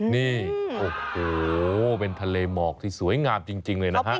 นี่โอ้โหเป็นทะเลหมอกที่สวยงามจริงเลยนะฮะ